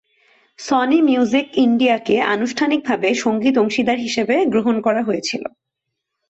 Sony Music India কে আনুষ্ঠানিকভাবে সঙ্গীত অংশীদার হিসাবে গ্রহণ করা হয়েছিল।